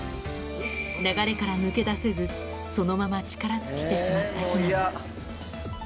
流れから抜け出せず、そのまま力尽きてしまったヒナも。